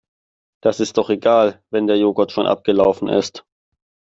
Das ist doch egal wenn der Joghurt schon abgelaufen ist.